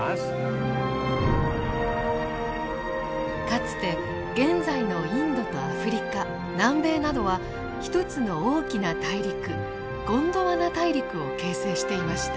かつて現在のインドとアフリカ南米などは一つの大きな大陸ゴンドワナ大陸を形成していました。